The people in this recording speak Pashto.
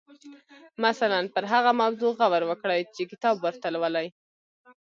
مثلاً پر هغه موضوع غور وکړئ چې کتاب ورته لولئ.